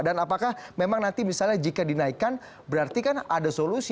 dan apakah memang nanti misalnya jika dinaikan berarti kan ada solusi